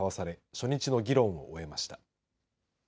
初日の議論を終えました。